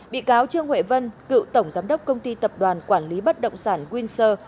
bị cáo trương huệ vân cựu tổng giám đốc công ty tập đoàn quản lý bất động sản windsor